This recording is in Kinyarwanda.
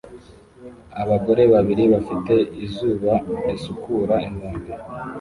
Abagore babiri bafite izuba risukura inkombe